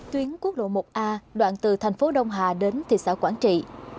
tuyến quốc lộ một a đoạn từ thành phố đông hà đến thị xã quảng trị